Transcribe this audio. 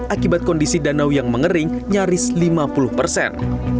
akibat kondisi danau yang mengering nyaris lima puluh persen